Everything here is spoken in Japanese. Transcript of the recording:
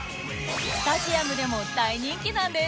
スタジアムでも大人気なんです